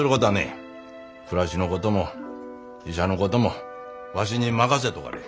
暮らしのことも医者のこともわしに任せとかれえ。